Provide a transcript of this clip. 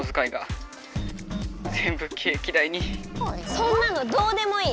そんなのどうでもいい！